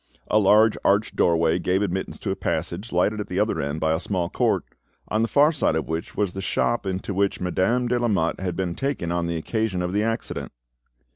A large arched doorway gave admittance to a passage, lighted at the other end by a small court, on the far side of which was the shop into which Madame de Lamotte had been taken on the occasion of the accident.